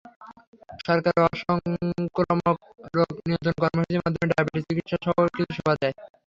সরকার অসংক্রামক রোগ নিয়ন্ত্রণ কর্মসূচির মাধ্যমে ডায়াবেটিস চিকিৎসাসহ কিছু সেবা দেয়।